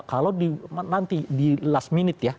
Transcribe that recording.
kalau nanti di last minute ya